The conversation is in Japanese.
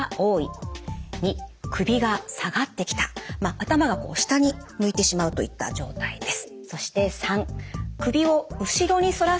頭が下に向いてしまうといった状態です。